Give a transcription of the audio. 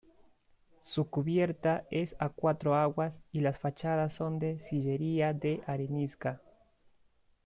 Su cubierta es a cuatro aguas y las fachadas son de sillería de arenisca.